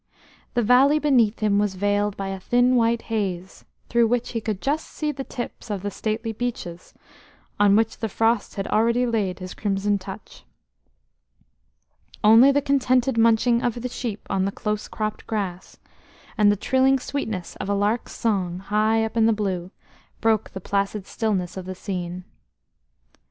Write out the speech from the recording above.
The valley beneath him was veiled by a thin white haze, through which he could just see the tips of the stately beeches, on which the frost had already laid his crimson touch. Only the contented munching of the sheep on the close cropped grass, and the trilling sweetness of a lark's song high up in the blue, broke the placid stillness of the scene.